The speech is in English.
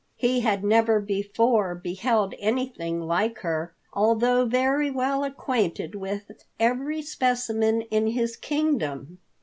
He had never before beheld anything like her, although very well acquainted with every specimen in his kingdom.